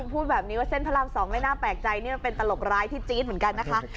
พูดแบบนี้ว่าเส้นพระราม๒ไม่น่าแปลกใจนี่มันเป็นตลกร้ายที่จี๊ดเหมือนกันนะคะ